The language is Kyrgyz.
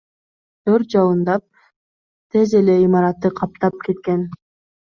Өрт жалындап тез эле имаратты каптап кеткен.